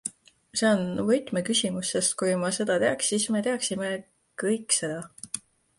See on võtmeküsimus, sest kui me seda teaks, siis me teeksime kõik seda.